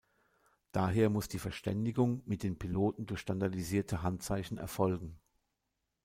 Daher muss die Verständigung mit den Piloten durch standardisierte Handzeichen erfolgen.